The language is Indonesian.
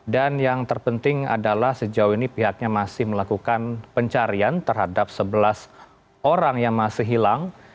dan yang terpenting adalah sejauh ini pihaknya masih melakukan pencarian terhadap sebelas orang yang masih hilang